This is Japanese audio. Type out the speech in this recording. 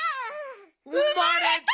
うまれた！